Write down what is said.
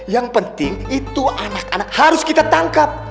yang penting itu anak anak harus kita tangkap